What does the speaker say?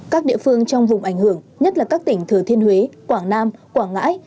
các địa phương trong vùng ảnh hưởng nhất là các tỉnh thừa thiên huế quảng nam quảng ngãi